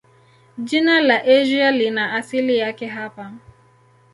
Jina la Asia lina asili yake hapa.